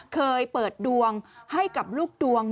เคยเปิดดวงให้กับลูกดวง